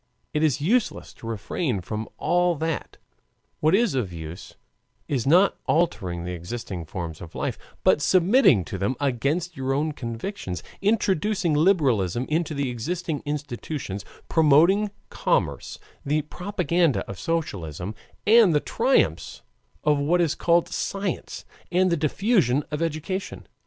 It is useless to refrain from all that; what is of use is not altering the existing forms of life, but submitting to them against your own convictions, introducing liberalism into the existing institutions, promoting commerce, the propaganda of socialism, and the triumphs of what is called science, and the diffusion of education.